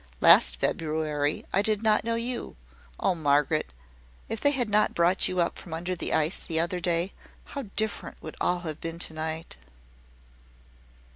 Last February I did not know you. Oh, Margaret, if they had not brought you up from under the ice, the other day, how different would all have been to night!"